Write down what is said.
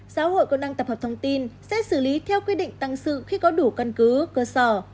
giáo hội cơ năng tập hợp thông tin sẽ xử lý theo quy định tăng sự khi có đủ cân cứ cơ sở